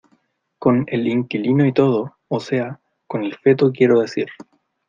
con el inquilino y todo, o sea , con el feto quiero decir.